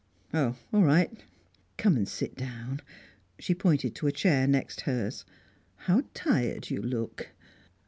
"Oh, all right." "Come and sit down." She pointed to a chair next hers. "How tired you look!"